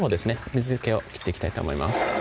水気を切っていきたいと思います